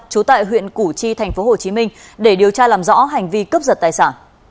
trú tại huyện củ chi tp hcm để điều tra làm rõ hành vi cấp giật tài xã